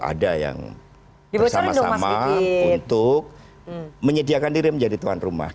ada yang bersama sama untuk menyediakan diri menjadi tuan rumah